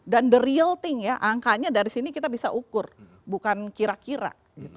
dan the real thing ya angkanya dari sini kita bisa ukur bukan kira kira